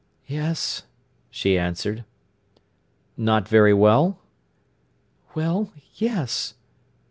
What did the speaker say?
"Yes," she answered. "Not very well?" "Well, yes!"